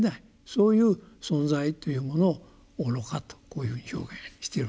そういう存在というものを「愚か」とこういうふうに表現しているわけですね。